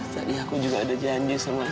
tadi aku juga ada janji sama